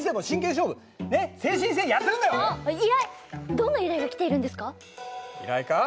どんな依頼が来ているんですか？